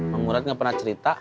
mang murad gak pernah cerita